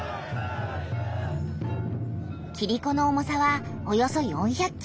キリコの重さはおよそ４００キログラム。